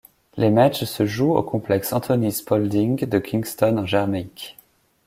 Les matchs se jouent au Complexe Anthony Spaulding de Kingston en Jamaïque.